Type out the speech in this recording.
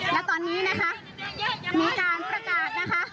และตอนนี้นะคะมีการประกาศนะคะ